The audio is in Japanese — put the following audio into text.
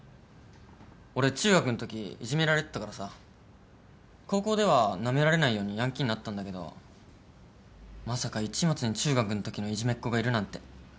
俺中学んときいじめられてたからさ高校ではなめられないようにヤンキーになったんだけどまさか市松に中学んときのいじめっ子がいるなんて。